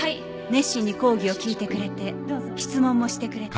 熱心に講義を聞いてくれて質問もしてくれた。